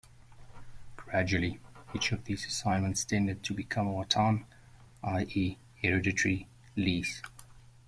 Gradually, each of these assignments tended to become a 'watan' i e, hereditary lease.